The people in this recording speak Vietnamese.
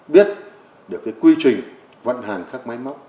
biết được quy trình vận hành các máy móc